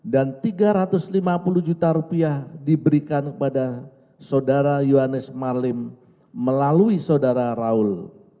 dan rp tiga ratus lima puluh juta diberikan kepada saudara yohanes marlim melalui saudara raul